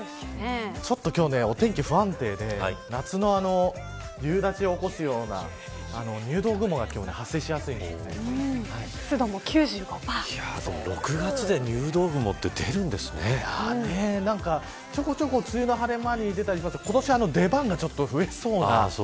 ちょっと今日、お天気不安定で夏の夕立が起こすような入道雲が今日、発生しやすいので６月で入道雲ってちょこちょこ梅雨の晴れ間に出たりしますが今年は出番がちょっと増えそうな。